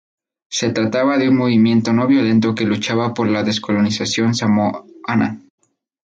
Se trataba de un movimiento no violento que luchaba por la descolonización samoana.